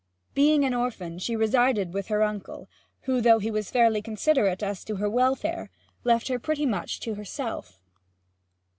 Being an orphan, she resided with her uncle, who, though he was fairly considerate as to her welfare, left her pretty much to herself.